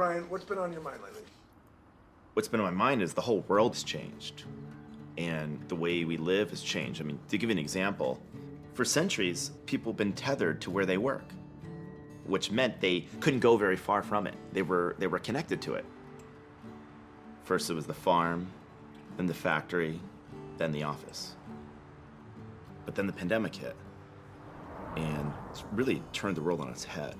Brian, what's been on your mind lately? What's been on my mind is the whole world's changed, and the way we live has changed. I mean, to give you an example, for centuries, people have been tethered to where they work, which meant they couldn't go very far from it. They were connected to it. First it was the farm, then the factory, then the office. But then the pandemic hit, and it's really turned the world on its head.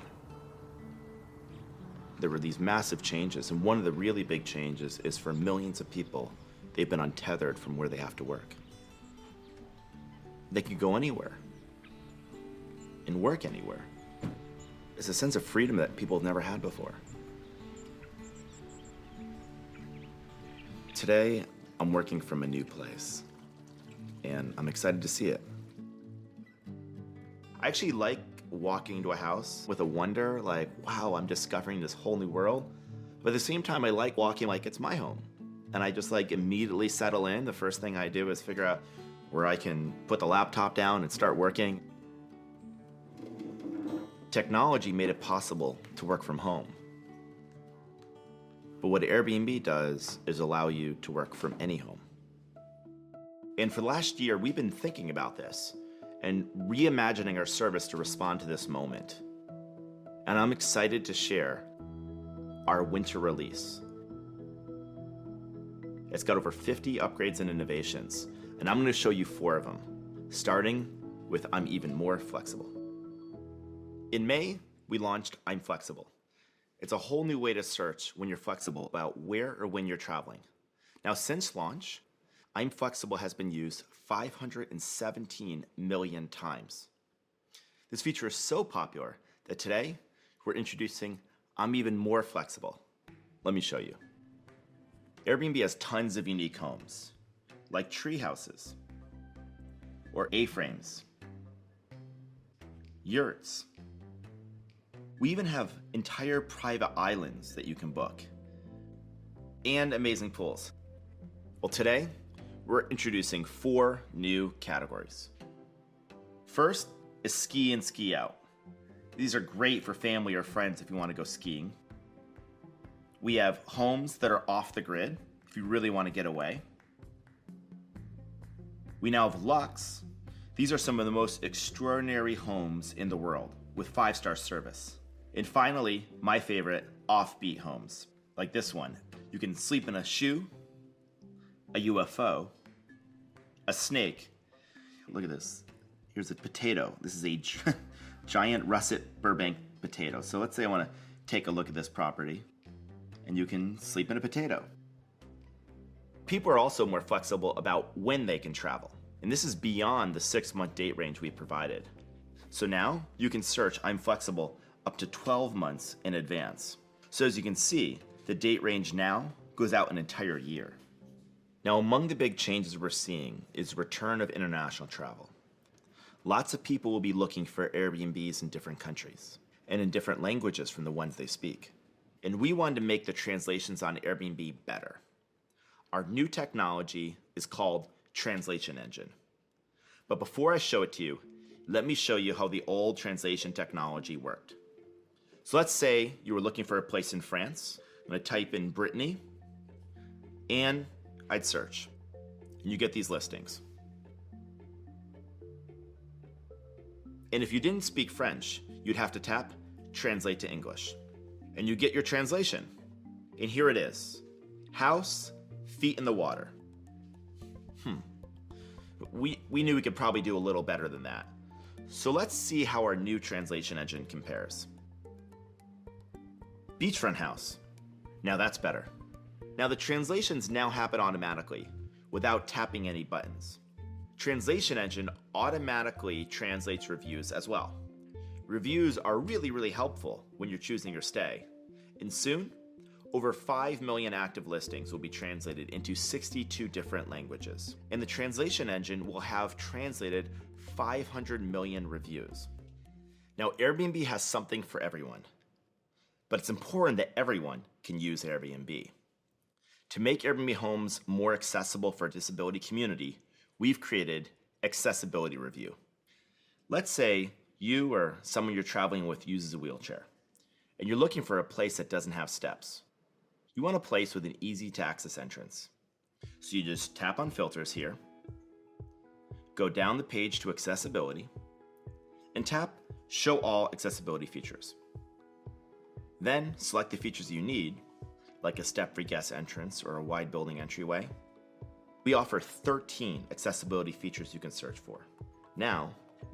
There were these massive changes, and one of the really big changes is for millions of people, they've been untethered from where they have to work. They could go anywhere and work anywhere. It's a sense of freedom that people have never had before. Today, I'm working from a new place, and I'm excited to see it. I actually like walking into a house with a wonder like, wow, I'm discovering this whole new world. At the same time, I like walking like it's my home, and I just, like, immediately settle in. The first thing I do is figure out where I can put the laptop down and start working. Technology made it possible to work from home, but what Airbnb does is allow you to work from any home. For the last year, we've been thinking about this and reimagining our service to respond to this moment, and I'm excited to share our Winter Release. It's got over 50 upgrades and innovations, and I'm gonna show you four of them, starting with I'm Even More Flexible. In May, we launched I'm Flexible. It's a whole new way to search when you're flexible about where or when you're traveling. Now, since launch, I'm Flexible has been used 517 million times. This feature is so popular that today we're introducing I'm Even More Flexible. Let me show you. Airbnb has tons of unique homes, like tree houses or A-frames, yurts. We even have entire private islands that you can book and amazing pools. Well, today we're introducing four new categories. First is Ski-in/Ski-out. These are great for family or friends if you wanna go skiing. We have homes that are Off the Grid if you really wanna get away. We now have Luxe. These are some of the most extraordinary homes in the world with five-star service. Finally, my favorite, OMG!. Like this one. You can sleep in a shoe, a UFO, a snake. Look at this. Here's a potato. This is a giant Russet Burbank potato. Let's say I wanna take a look at this property, and you can sleep in a potato. People are also more flexible about when they can travel, and this is beyond the six-month date range we provided. Now you can search I'm Flexible up to 12 months in advance. As you can see, the date range now goes out an entire year. Now, among the big changes we're seeing is return of international travel. Lots of people will be looking for Airbnbs in different countries and in different languages from the ones they speak, and we want to make the translations on Airbnb better. Our new technology is called Translation Engine. Before I show it to you, let me show you how the old translation technology worked. Let's say you were looking for a place in France. I'm gonna type in Brittany, and I'd search, and you get these listings. If you didn't speak French, you'd have to tap translate to English, and you get your translation, and here it is. House, feet in the water. We knew we could probably do a little better than that. Let's see how our new Translation Engine compares. Beachfront house. Now that's better. Now the translations happen automatically without tapping any buttons. Translation Engine automatically translates reviews as well. Reviews are really, really helpful when you're choosing your stay. Soon, over 5 million active listings will be translated into 62 different languages. The Translation Engine will have translated 500 million reviews. Now, Airbnb has something for everyone, but it's important that everyone can use Airbnb. To make Airbnb homes more accessible for our disability community, we've created Accessibility Review. Let's say you or someone you're traveling with uses a wheelchair, and you're looking for a place that doesn't have steps. You want a place with an easy-to-access entrance. You just tap on filters here, go down the page to accessibility, and tap show all accessibility features. Select the features you need, like a step-free guest entrance or a wide building entryway. We offer 13 accessibility features you can search for. Now,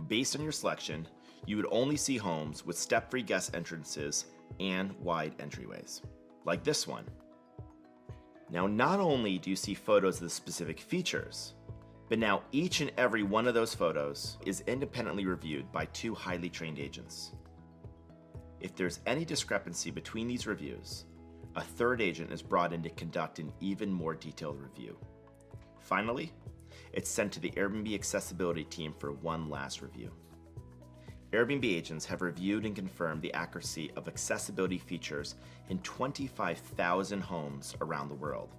based on your selection, you would only see homes with step-free guest entrances and wide entryways, like this one. Now, not only do you see photos of the specific features, but now each and every one of those photos is independently reviewed by two highly trained agents. If there's any discrepancy between these reviews, a third agent is brought in to conduct an even more detailed review. Finally, it's sent to the Airbnb accessibility team for one last review. Airbnb agents have reviewed and confirmed the accuracy of accessibility features in 25,000 homes around the world.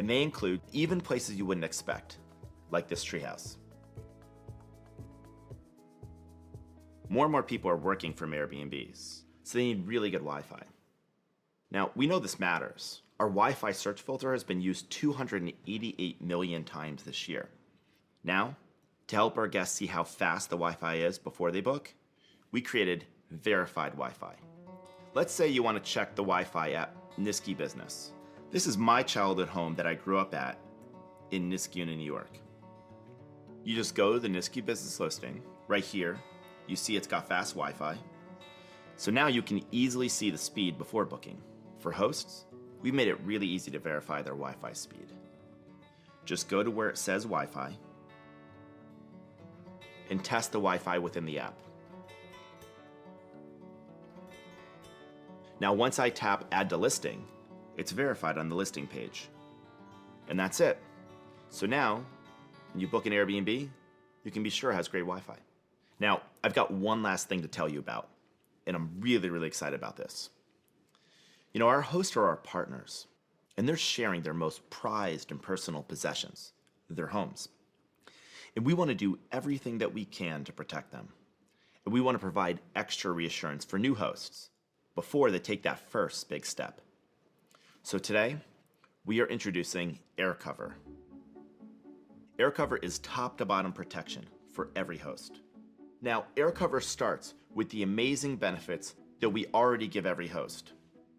They include even places you wouldn't expect like this tree house. More and more people are working from Airbnbs, so they need really good Wi-Fi. Now we know this matters. Our Wi-Fi search filter has been used 288 million times this year. Now to help our guests see how fast the Wi-Fi is before they book, we created Verified Wi-Fi. Let's say you want to check the Wi-Fi at Nisky Business. This is my childhood home that I grew up at in Niskayuna, New York. You just go to the Nisky Business listing right here. You see it's got fast Wi-Fi, so now you can easily see the speed before booking. For hosts, we made it really easy to verify their Wi-Fi speed. Just go to where it says Wi-Fi and test the Wi-Fi within the app. Now, once I tap add to listing, it's verified on the listing page, and that's it. Now when you book an Airbnb, you can be sure it has great Wi-Fi. Now I've got one last thing to tell you about, and I'm really, really excited about this. You know, our hosts are our partners, and they're sharing their most prized and personal possessions, their homes, and we want to do everything that we can to protect them, and we want to provide extra reassurance for new hosts before they take that first big step. Today we are introducing AirCover. AirCover is top to bottom protection for every host. Now AirCover starts with the amazing benefits that we already give every host,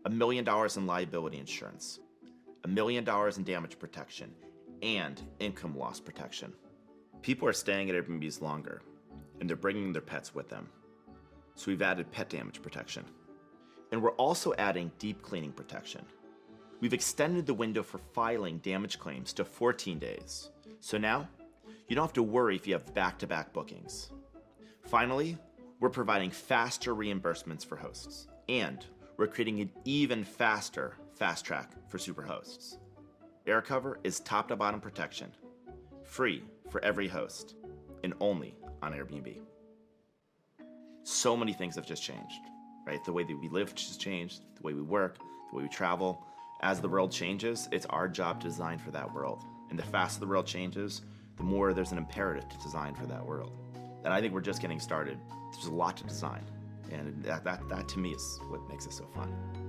$1 million in liability insurance, $1 million in damage protection and income loss protection. People are staying at Airbnbs longer, and they're bringing their pets with them. We've added pet damage protection, and we're also adding deep cleaning protection. We've extended the window for filing damage claims to 14 days. Now you don't have to worry if you have back-to-back bookings. Finally, we're providing faster reimbursements for hosts, and we're creating an even faster fast track for Superhosts. AirCover is top-to-bottom protection free for every host and only on Airbnb. Many things have just changed, right? The way that we live has just changed, the way we work, the way we travel. As the world changes, it's our job to design for that world. The faster the world changes, the more there's an imperative to design for that world. I think we're just getting started. There's a lot to design, and that to me is what makes it so fun.